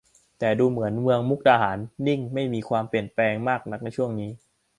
แต่ดูเหมือนเมืองมุกดาหารนิ่งไม่มีความเปลี่ยนแปลงมากนักในช่วง